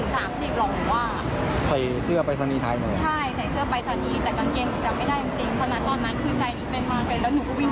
ใส่เสื้อไปรษณีย์ไทยเหมือนกัน